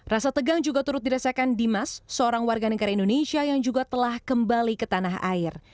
rasa tegang juga turut dirasakan dimas seorang warga negara indonesia yang juga telah kembali ke tanah air